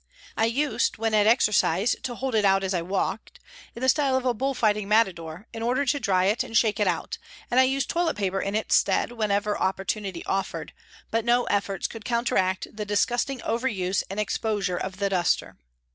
I used when at exercise to hold it out as I walked, in the style of a bull fighting matador, in order to dry it and shake it out, and I used toilet paper in its stead whenever opportunity offered, but no efforts could counteract the disgusting overuse and ex posure of the duster.